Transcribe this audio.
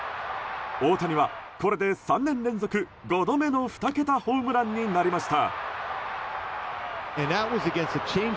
大谷は、これで３年連続５度目の２桁ホームランになりました。